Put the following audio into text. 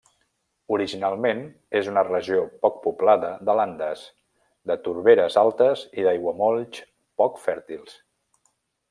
Originalment, és una regió poc poblada de landes, de torberes altes i d'aiguamolls poc fèrtils.